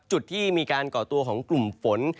จุดที่มีการก่อตัวของกลุ่มฝน